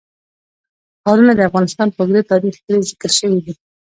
ښارونه د افغانستان په اوږده تاریخ کې ذکر شوی دی.